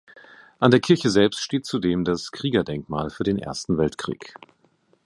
An der Kirche selbst steht zudem das Kriegerdenkmal für den Ersten Weltkrieg.